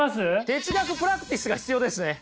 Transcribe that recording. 哲学プラクティスが必要ですね！